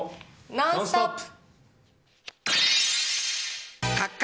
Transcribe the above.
「ノンストップ！」。